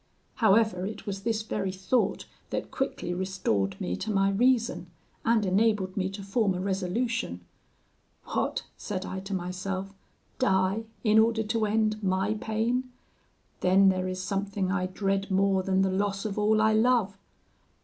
"However, it was this very thought that quickly restored me to my reason, and enabled me to form a resolution. 'What,' said I to myself, 'die, in order to end my pain! Then there is something I dread more than the loss of all I love!